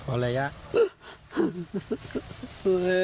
ขอระยะ